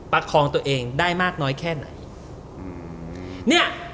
ประคองตัวเองได้มากน้อยแค่ไหน